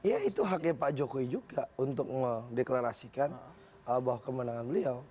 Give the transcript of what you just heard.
ya itu haknya pak jokowi juga untuk mendeklarasikan bahwa kemenangan beliau